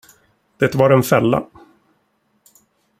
Det var en fälla.